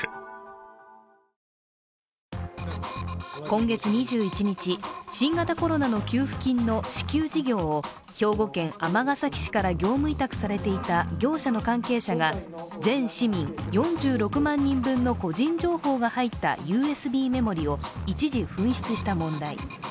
今月２１日、新型コロナの給付金の支給事業を兵庫県尼崎市から業務委託されていた業者の関係者が全市民４６万人分の個人情報が入ったＵＳＢメモリーを一時紛失した問題。